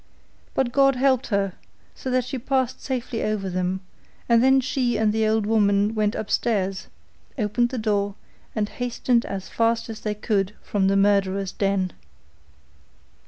But God helped her, so that she passed safely over them, and then she and the old woman went upstairs, opened the door, and hastened as fast as they could from the murderers' den.